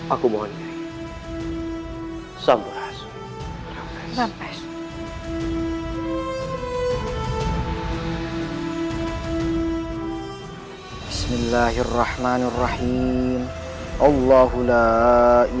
aku mohon diri